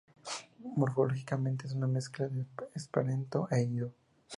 Morfológicamente, es una mezcla de Esperanto e Ido.